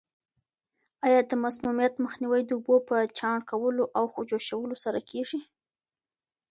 آیا د مسمومیت مخنیوی د اوبو په چاڼ کولو او جوشولو سره کیږي؟